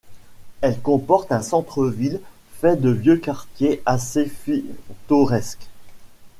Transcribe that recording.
Elle comporte un centre ville fait de vieux quartiers assez pittoresques.